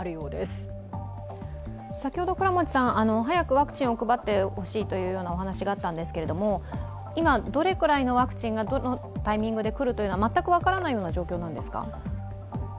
早くワクチンを配ってほしいというお話があったんですけれども、今、どれくらいのワクチンがどのタイミングでくるというのは全く分からないような状況なんですか？